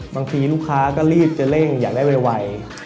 บางทีลูกค้าก็รีบจะเร่งอยากได้ไว